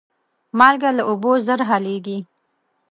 مالګه له اوبو ژر حل کېږي.